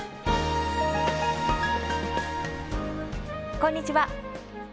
こんにちは。